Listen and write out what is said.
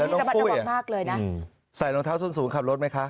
แล้วต้องคุยใส่รองเท้าส้นสูงขับรถไหมคะ